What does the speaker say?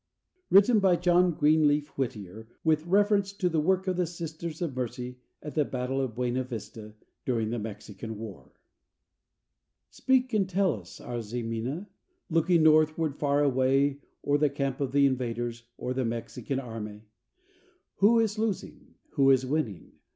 (Written by John Greenleaf Whittier with reference to the work of the Sisters of Mercy at the battle of Buena Vista, during the Mexican war.) Speak and tell us, our Ximena, looking northward far away, O'er the camp of the invaders, o'er the Mexican army. Who is losing? Who is winning?